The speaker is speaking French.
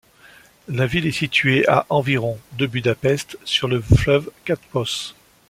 La ville est située à environ de Budapest, sur le fleuve Kapos.